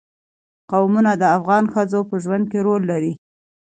قومونه د افغان ښځو په ژوند کې رول لري.